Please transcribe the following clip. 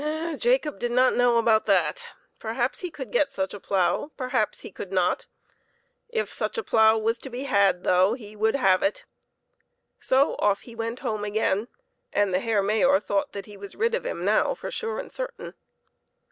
Jacob did not know how about that ; perhaps he could get such a plough, perhaps he could not. If such a plough was to be had, though, he would have it. So off he went home again, and the Herr Mayor thought that he was rid of him now for sure and certain.